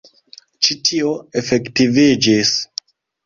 Ĉi tio efektiviĝis.